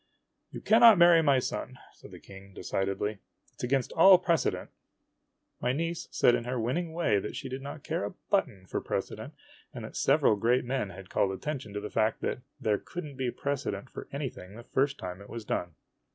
" You cannot marry my son !" said the King, decidedly. "It 's against all precedent." THE ASTROLOGER S NIECE MARRIES 107 My niece said in her winning way that she did n't care a button for precedent, and that several great men had called attention to the fact that there could n't be a precedent for anything the first time it was done.